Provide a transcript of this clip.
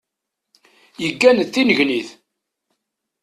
Yeggan d tinnegnit.